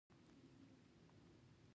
دا کتاب د لیکوالې لومړنی اثر دی